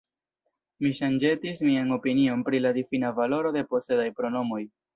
Mi ŝanĝetis mian opinion pri la difina valoro de posedaj pronomoj.